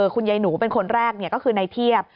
คุณยายหนูเป็นคนแรกก็คือในเทียบ